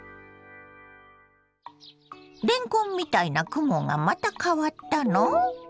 れんこんみたいな雲がまた変わったの？